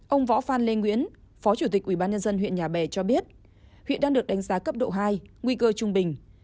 ông võ phan lê nguyễn phó chủ tịch ubnd huyện nhà bè cho biết huyện đang được đánh giá cấp độ hai nguy cơ trung bình